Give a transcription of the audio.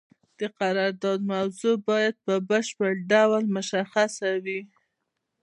د قرارداد موضوع باید په بشپړ ډول مشخصه وي.